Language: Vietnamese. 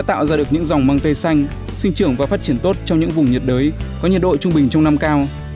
tạo ra được những dòng măng tây xanh sinh trưởng và phát triển tốt trong những vùng nhiệt đới có nhiệt độ trung bình trong năm cao